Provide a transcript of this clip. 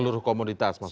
seluruh komunitas maksudnya